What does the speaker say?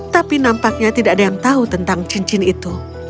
tapi nampaknya tidak ada yang tahu tentang cincin itu